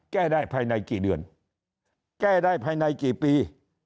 แก้ได้ภายในกี่เดือนแก้ได้ภายในกี่ปี